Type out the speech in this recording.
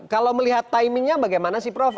kalau melihat timingnya bagaimana sih prof